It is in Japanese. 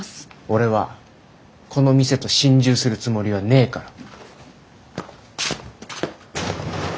俺はこの店と心中するつもりはねえから。